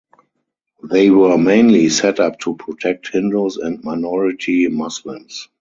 They were mainly set up to protect Hindus and minority Muslims.